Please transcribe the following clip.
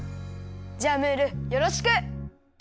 じゃあムールよろしく！